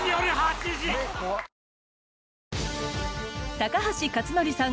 高橋克典さん